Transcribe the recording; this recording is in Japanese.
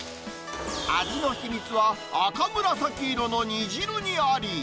味の秘密は赤紫色の煮汁にあり。